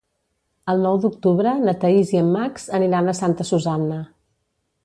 El nou d'octubre na Thaís i en Max aniran a Santa Susanna.